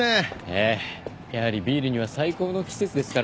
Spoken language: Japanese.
ええやはりビールには最高の季節ですから。